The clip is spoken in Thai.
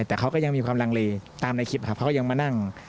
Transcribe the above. แต่เขาก็ยังมีความลังเลตามในคลิปครับเขาก็ยังมานั่ง